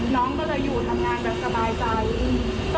น้องก็จะอยู่ทำงานกันสบายใจ